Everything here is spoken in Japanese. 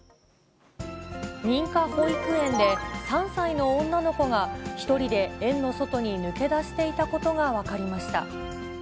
認可保育園で、３歳の女の子が１人で園の外に抜け出していたことが分かりました。